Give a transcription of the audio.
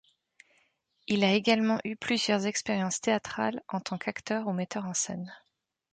Il a également eu plusieurs expériences théâtrales en tant qu'acteur ou metteur en scène.